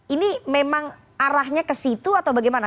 ini memang arahnya ke situ atau bagaimana